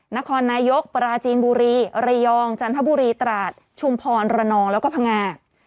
นครนายกปราจีนบุรีระยองจันทบุรีตราดชุมพรระนองแล้วก็พังงา